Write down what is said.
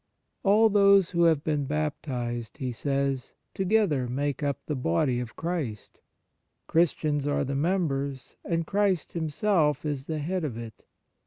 All those who have been baptized, he says, together make up the body of Christ. Christians are the mem bers, and Christ Himself is the head of it.